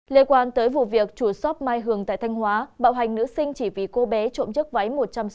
lê quang tới vụ việc chủ shop mai hường tại thanh hóa bạo hành nữ sinh chỉ vì cô bé trộm chất váy một trăm sáu mươi